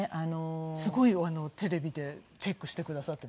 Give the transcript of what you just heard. すごいテレビでチェックしてくださっているね。